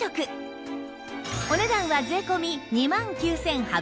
お値段は税込２万９８００円